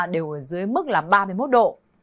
đều ở dưới mức ba mươi một độ